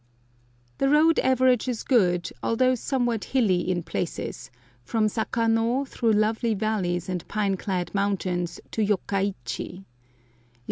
The road averages good, although somewhat hilly in places, from Saka no through lovely valleys and pine clad mountains to Yokka ichi.